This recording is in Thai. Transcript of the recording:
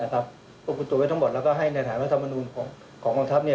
ควบคุมตัวไว้ทั้งหมดแล้วก็ให้ในฐานรัฐมนุนของกองทัพ